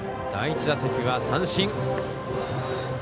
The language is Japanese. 第１打席は三振。